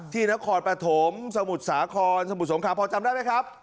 ที่นครปฐมสมุดสาขอนสมุดสงคราพอจำได้ไหมครับ